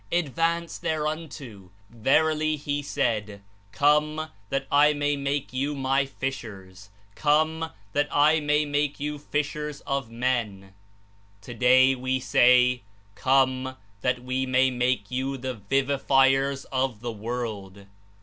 Advance thereto. Verily, He said, 'Come, that I may make you my fishers; come that I may make you fishers of men;' today We sav, 'Come, that We may make you the vivifiers of the world.'